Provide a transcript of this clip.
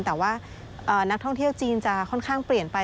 แต่ว่านักท่องเที่ยวจีนจะค่อนข้างเปลี่ยนไป